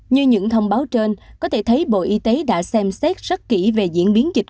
như những thông báo trên có thể thấy bộ y tế đã xem xét rất kỹ về diễn biến dịch